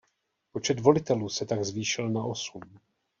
Počet volitelů se tak zvýšil na osm.